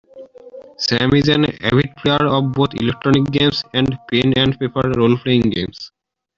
Sam is an avid player of both electronic games and pen-and-paper roleplaying games.